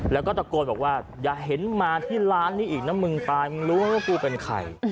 แล้วก็ตะโกนบอกว่าอย่าเห็นมาที่ร้านนี้อีกนะมึงตายมึงรู้ว่ากูเป็นใคร